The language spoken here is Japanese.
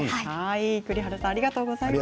栗原さんありがとうございます。